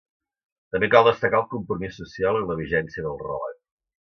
També cal destacar el compromís social i la vigència del relat.